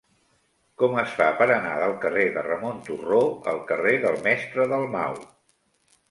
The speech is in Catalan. Com es fa per anar del carrer de Ramon Turró al carrer del Mestre Dalmau?